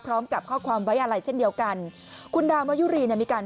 พร้อมกับข้อความไว้อะไรเช่นเดียวกันคุณดาวมายุรีเนี่ยมีการ